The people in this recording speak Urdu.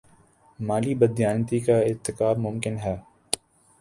مالی بد دیانتی کا ارتکاب ممکن ہے۔